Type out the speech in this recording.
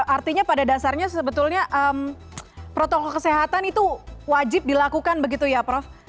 artinya pada dasarnya sebetulnya protokol kesehatan itu wajib dilakukan begitu ya prof